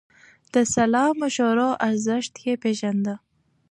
د سلا مشورو ارزښت يې پېژانده.